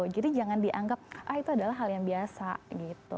jadi jangan dianggap itu adalah hal yang biasa gitu